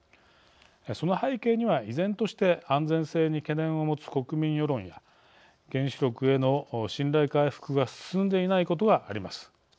その背景には、依然として安全性に懸念を持つ国民世論や原子力への信頼回復が進んでいないことがあります。